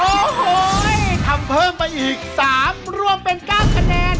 โอ้โห้อออออห์ออโหออตัมเพิ่มไปอีก๓ร่วมเป็น๙คะแนน